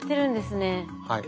はい。